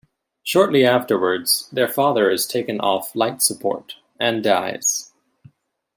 Shortly afterwards, their father is taken off life-support, and dies.